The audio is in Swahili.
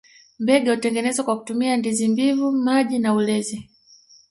Mbege hutengenezwa kwa kutumia ndizi mbivu maji na ulezi